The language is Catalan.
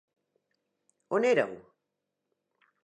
On éreu?